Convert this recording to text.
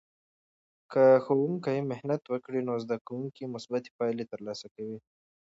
که ښوونکی محنت وکړي، نو زده کوونکې مثبتې پایلې ترلاسه کوي.